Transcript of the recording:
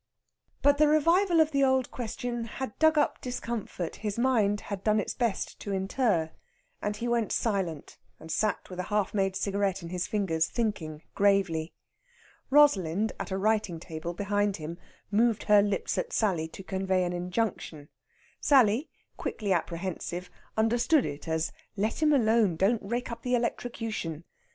But the revival of the old question had dug up discomfort his mind had done its best to inter; and he went silent and sat with a half made cigarette in his fingers thinking gravely. Rosalind, at a writing table behind him, moved her lips at Sally to convey an injunction. Sally, quickly apprehensive, understood it as "Let him alone! Don't rake up the electrocution!"